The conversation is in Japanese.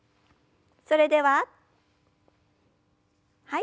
それでははい。